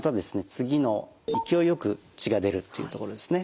次の「勢いよく血が出る」というところですね。